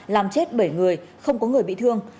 làm chết bảy người không có người bị thương